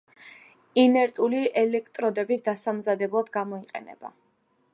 ინერტული ელექტროდების დასამზადებლად გამოიყენება.